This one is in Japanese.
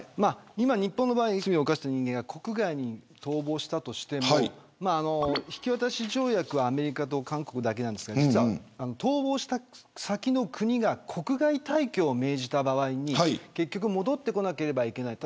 日本の場合、罪を犯した人間は国外に逃亡したとしても引き渡し条約はアメリカと韓国だけですが実は、逃亡した先の国が国外退去を命じた場合に結局戻ってこなければいけない。